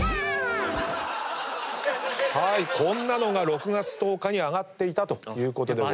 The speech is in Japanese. こんなのが６月１０日に上がっていたということです。